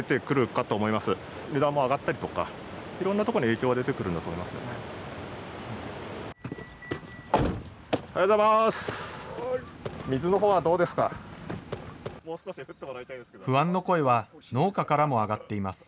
おはようございます。